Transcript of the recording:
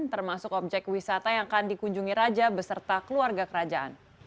termasuk objek wisata yang akan dikunjungi raja beserta keluarga kerajaan